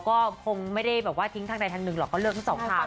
ก็คงไม่ได้แบบว่าทิ้งทางใดทางหนึ่งหรอกก็เลือกทั้งสองทาง